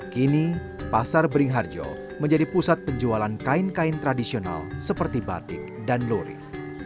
kini pasar beringharjo menjadi pusat penjualan kain kain tradisional seperti batik dan lurik